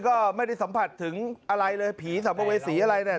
ก็ไม่ได้สัมผัสถึงอะไรเลยผีสัมภเวษีอะไรเนี่ย